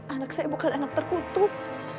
anak saya bukan anak terkutuk